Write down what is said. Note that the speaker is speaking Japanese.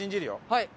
はい。